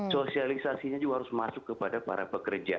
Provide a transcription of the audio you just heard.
sosialisasinya juga harus masuk kepada para pekerja